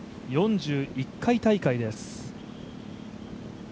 ４１回大会です。